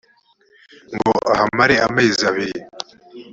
ngo ahamare amezi abiri.